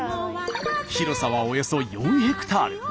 広さはおよそ４ヘクタール。